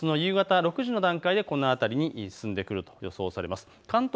あすの夕方６時の段階でこの辺りに進んでくると予想されます。